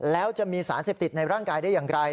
แล้วจะมีสารเสพติดในร่างกายได้อย่างไร